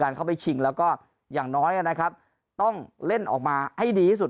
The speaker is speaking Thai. เข้าไปชิงแล้วก็อย่างน้อยนะครับต้องเล่นออกมาให้ดีที่สุด